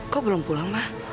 kok belum pulang mah